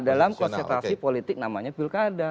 dalam konsentrasi politik namanya pilkada